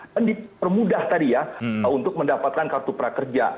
dan dipermudah tadi ya untuk mendapatkan kartu prakerja